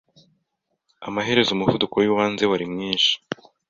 Amaherezo umuvuduko wibanze wari mwinshi